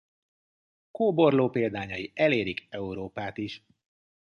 Kóborló példányai elérik Európát is.